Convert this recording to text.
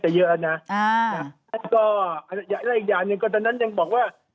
เยอะแล้วนะก็และอีกอย่างหนึ่งก็ตอนนั้นยังบอกว่า